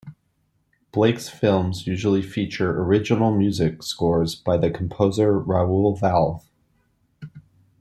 Blake's films usually feature original music scores by the composer Raoul Valve.